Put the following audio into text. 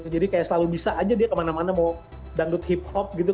jadi kayak selalu bisa aja dia kemana mana mau dangdut hip hop gitu